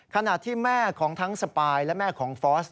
ขณะที่แม่ของทั้งสปายและแม่ของฟอส